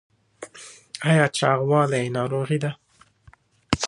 ایا چاغوالی ناروغي ده؟